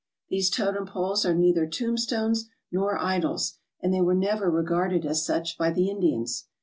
These totem poles are neither tombstones nor idols, and they were never regarded as such by the Indians.